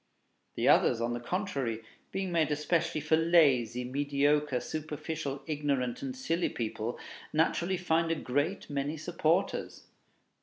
The others, on the contrary, being made especially for lazy, mediocre, superficial, ignorant, and silly people, naturally find a great many supporters.